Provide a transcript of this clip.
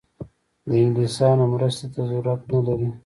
د انګلیسیانو مرستې ته ضرورت نه لري.